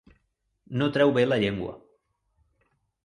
No treu bé la llengua.